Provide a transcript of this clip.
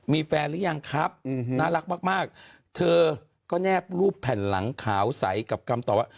มีแฟนหรือยังครับน่ารักมากมากเธอก็แนบรูปแผ่นหลังขาวใสกับคำตอบว่า